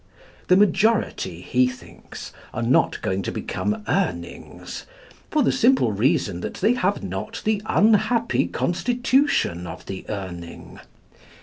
The majority, he thinks, are not going to become Urnings, for the simple reason that they have not the unhappy constitution of the Urning.